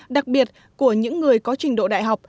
đặc biệt của những người có trình độ đại học